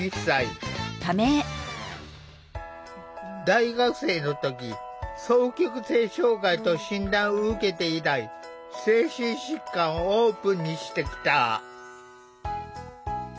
大学生の時双極性障害と診断を受けて以来精神疾患をオープンにしてきた。